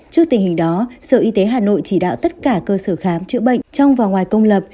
trước tình hình đó sở y tế hà nội chỉ đạo tất cả cơ sở khám chữa bệnh trong và ngoài công lập